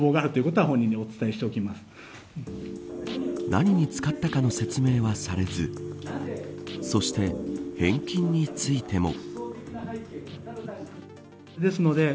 何に使ったかの説明はされずそして返金についても。